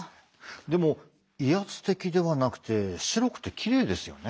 でも威圧的ではなくて白くてきれいですよね。